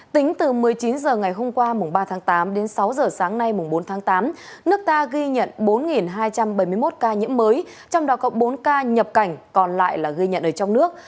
tính từ một mươi chín h ngày hôm qua ba tháng tám đến sáu giờ sáng nay bốn tháng tám nước ta ghi nhận bốn hai trăm bảy mươi một ca nhiễm mới trong đó có bốn ca nhập cảnh còn lại là ghi nhận ở trong nước